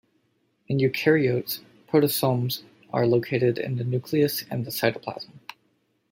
In eukaryotes, proteasomes are located in the nucleus and the cytoplasm.